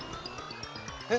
えっ！？